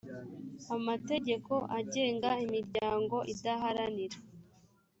amategeko agenga imiryango idaharanira